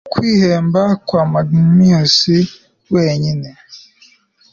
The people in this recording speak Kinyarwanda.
kwiheba kwa magnanimous wenyine